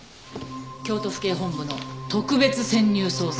京都府警本部の特別潜入捜査官よ。